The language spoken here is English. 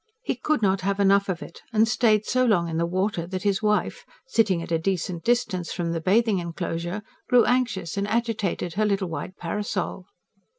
He could not have enough of it, and stayed so long in the water that his wife, sitting at a decent distance from the Bathing Enclosure, grew anxious, and agitated her little white parasol.